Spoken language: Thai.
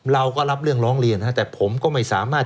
เราก็รับเรื่องร้องเรียนแต่ผมก็ไม่สามารถ